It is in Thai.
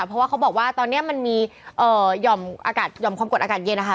เพราะว่าเขาบอกว่าตอนนี้มันมีหย่อมอากาศห่อมความกดอากาศเย็นนะคะ